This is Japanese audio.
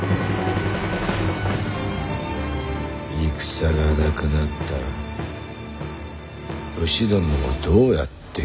戦がなくなったら武士どもをどうやって食わしていく。